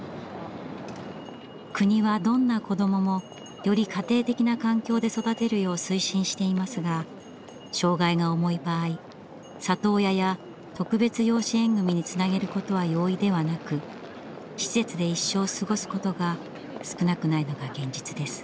国はどんな子どももより家庭的な環境で育てるよう推進していますが障害が重い場合里親や特別養子縁組につなげることは容易ではなく施設で一生過ごすことが少なくないのが現実です。